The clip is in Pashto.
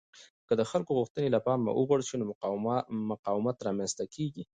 که د خلکو غوښتنې له پامه وغورځول شي نو مقاومت رامنځته کېږي